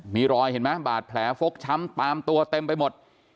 มีรอยเห็นไหมบาดแผลฟกช้ำตามตัวเต็มไปหมด